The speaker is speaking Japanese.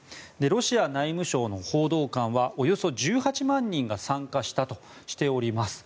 ロシア内務省の報道官はおよそ１８万人が参加したとしております。